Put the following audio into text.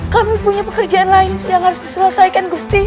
kami punya pekerjaan lain yang harus diselesaikan gusti